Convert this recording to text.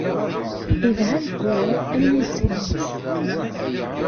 Idha deg wurar armi yettu iman-is.